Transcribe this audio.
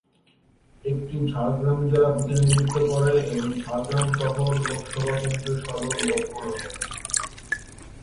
এটি ঝাড়গ্রাম জেলা প্রতিনিধিত্ব করে এবং ঝাড়গ্রাম শহরে লোকসভা কেন্দ্রের সদর দফতর।